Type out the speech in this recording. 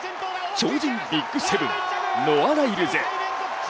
超人ＢＩＧ７、ノア・ライルズ。